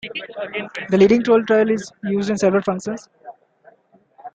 The leading-tone triad is used in several functions.